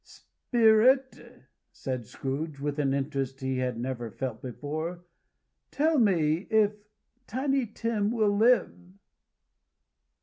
"Spirit," said Scrooge, with an interest he had never felt before, "tell me if Tiny Tim will live."